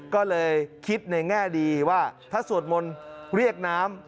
ก็เลยคิดในแง่ดีว่าถ้าสวดมนต์เรียกน้ำ